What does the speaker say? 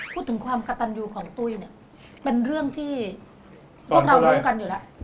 พูดถึงความกระตันยูของตุ้ยเนี่ยเป็นเรื่องที่พวกเรารู้กันอยู่แล้ว